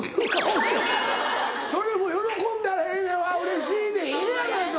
それも喜んだらええねん「あぁうれしい」でええやないか。